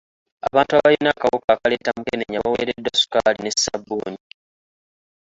Abantu abalina akawuka akaleeta mukenenya baweereddwa sukaali ne ssabbuuni.